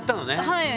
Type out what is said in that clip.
はい。